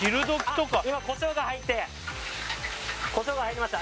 今コショウが入ってコショウが入りました